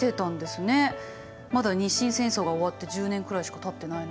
まだ日清戦争が終わって１０年くらいしかたってないのに。